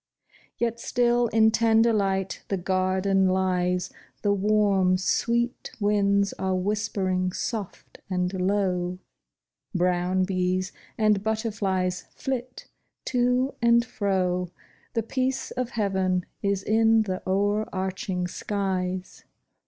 Yet still in tender light the garden lies ; The warm, sweet winds are whispering soft and low ; Brown bees and butterflies flit to and fro ; The peace of heaven is in the o'erarching skies.